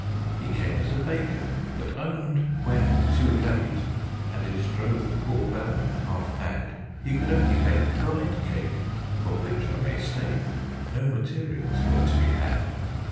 He came as a Baker: but owned, when too late And it drove the poor Bellman half mad He could only bake Bride cake for which, I may state, No materials were to be had.